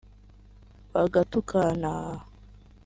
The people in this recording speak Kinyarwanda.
bagatukanaaaa